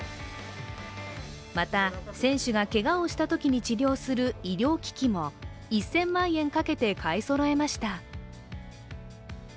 また選手がけがをしたときに治療する医療機器も１０００万円かけて買いそろえました。